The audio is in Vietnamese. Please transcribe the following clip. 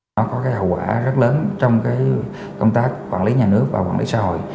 nó có cái hậu quả rất lớn trong cái công tác quản lý nhà nước và quản lý xã hội